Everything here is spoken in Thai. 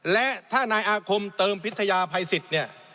และถ้านายอาคมเติมพิทยาภัยสิทธิ์เนี่ย